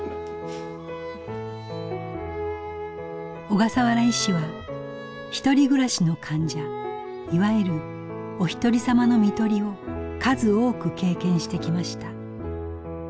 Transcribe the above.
小笠原医師はひとり暮らしの患者いわゆる「おひとりさまの看取り」を数多く経験してきました。